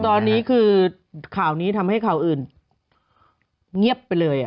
ตอนนี้คือข่าวนี้ทำให้ข่าวอื่นเงียบไปเลย